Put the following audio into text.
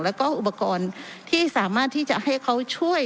แล้วก็อุปกรณ์ที่สามารถที่จะให้เขาช่วย